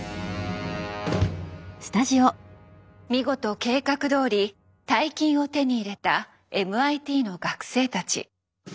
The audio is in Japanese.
見事計画どおり大金を手に入れたＭＩＴの学生たち。